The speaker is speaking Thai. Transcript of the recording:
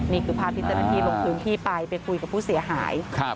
นี่คือพาพิจารณีลงพื้นที่ไปไปคุยกับผู้เสียหาย